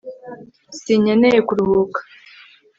sinkeneye kuruhuka